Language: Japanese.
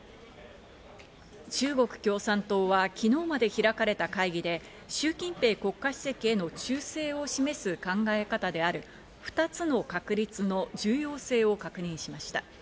中国共産党は昨日まで開かれた会議で、シュウ・キンペイ国家主席への忠誠を示す考え方である２つの確立の重要性を確認しました。